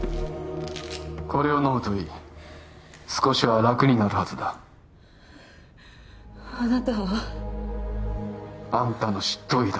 これを飲むといい少しは楽になるはずだあなたは？あんたの執刀医だ